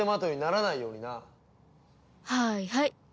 はいはい。